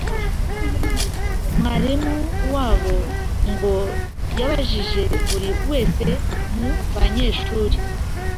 mwarimu wabo ngo yabajije buri wese mu banyeshuri